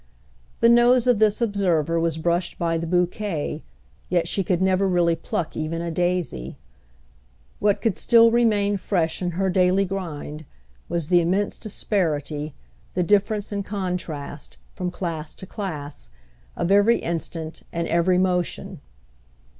The nose of this observer was brushed by the bouquet, yet she could never really pluck even a daisy. What could still remain fresh in her daily grind was the immense disparity, the difference and contrast, from class to class, of every instant and every motion.